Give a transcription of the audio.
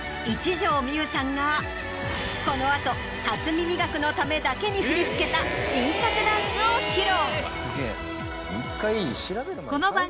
この後『初耳学』のためだけに振り付けた新作ダンスを披露。